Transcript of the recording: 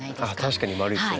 確かにまるいですね。